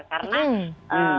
karena gak bisa jalan jalan